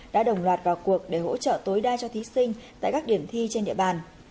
đã đồng loạt vào cuộc để hỗ trợ tối đa cho thí sinh tại các điểm thi trên địa bàn